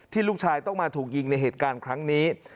ลูกชายต้องมาถูกยิงในเหตุการณ์ครั้งนี้